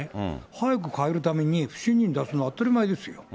早くかえるために、不信任出すのは当たり前ですよ。